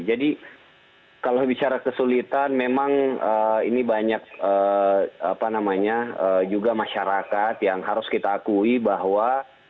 jadi kalau bicara kesulitan memang ini banyak apa namanya juga masyarakat yang harus kita akui bahwa